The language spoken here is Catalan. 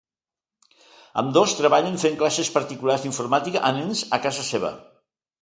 Ambdós treballaven fent classes particulars d'informàtica a nens a casa seva.